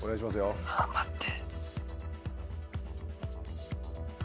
ああ待って。